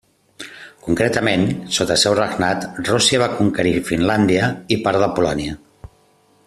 Concretament, sota el seu regnat, Rússia va conquerir Finlàndia i part de Polònia.